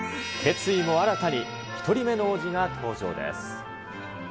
決意も新たに、１人目の王子が登場です。